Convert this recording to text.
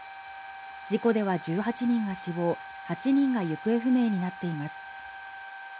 事故では１８人が死亡、８人が行方不明になっています。